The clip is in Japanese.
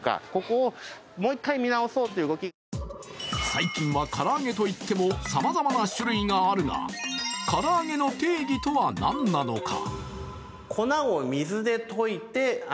最近は唐揚げといってもさまざまな種類があるが、唐揚げの定義とは何なのか。